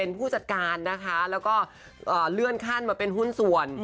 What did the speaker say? เป็นผู้จัดการนะคะแล้วก็เลื่อนขั้นมาเป็นหุ้นส่วน